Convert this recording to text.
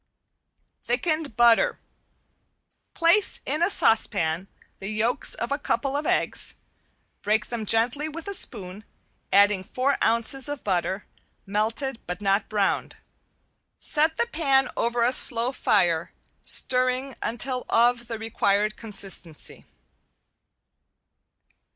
~THICKENED BUTTER~ Place in a saucepan the yolks of a couple of eggs. Break them gently with a spoon, adding four ounces of butter, melted but not browned. Set the pan over a slow fire, stirring until of the required consistency.